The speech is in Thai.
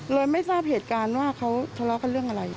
ไม่ทราบเหตุการณ์ว่าเขาทะเลาะกันเรื่องอะไร